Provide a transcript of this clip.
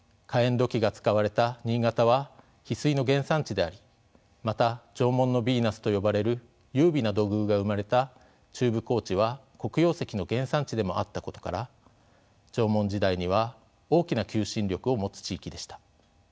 土器が使われた新潟は翡翠の原産地でありまた「縄文のビーナス」と呼ばれる優美な土偶が生まれた中部高地は黒曜石の原産地でもあったことから縄文時代には大きな求心力を持つ地域でした。